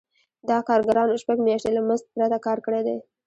دا کارګرانو شپږ میاشتې له مزد پرته کار کړی دی